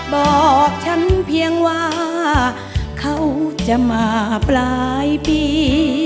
บอกฉันเพียงว่าเขาจะมาปลายปี